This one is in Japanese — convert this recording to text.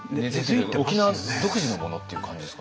沖縄独自のものっていう感じですかね。